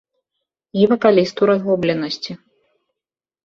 І вакаліст у разгубленасці.